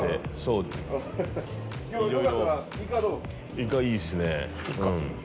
イカいいっすねうん。